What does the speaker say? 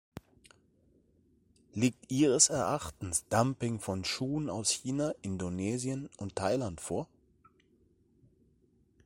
Liegt ihres Erachtens Dumping von Schuhen aus China, Indonesien und Thailand vor?